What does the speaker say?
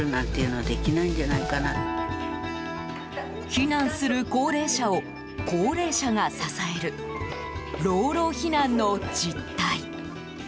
避難する高齢者を高齢者が支える老老避難の実態。